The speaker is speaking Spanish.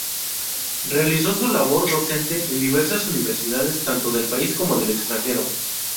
Realizó su labor docente en diversas universidades tanto del país como del extranjero.